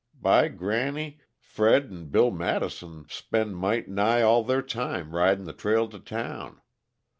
By granny, Fred 'n' Bill Madison spend might' nigh all their time ridin' the trail to town.